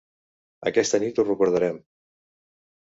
Aquesta nit ho recordarem.